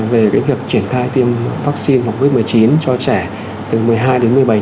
về việc triển khai tiêm vaccine phòng covid một mươi chín cho trẻ từ một mươi hai đến một mươi bảy